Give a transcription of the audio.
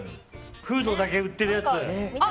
フードだけ売ってるやつ。